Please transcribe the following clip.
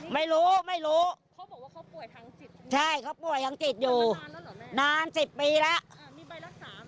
ไม่รู้ไม่รู้ใช่เขาป่วยทั้งจิตอยู่นาน๑๐ปีแล้ว